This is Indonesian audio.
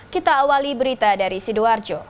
kita awali berita dari sidoarjo